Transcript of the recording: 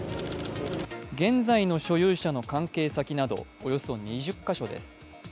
現在の所有者の関係先などおよそ２０カ所です。